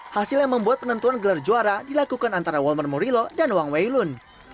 hasil yang membuat penentuan gelar juara dilakukan antara walmar morilo dan wang weilun